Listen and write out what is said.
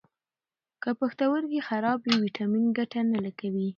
که پښتورګي خراب وي، ویټامین ګټه نه کوي.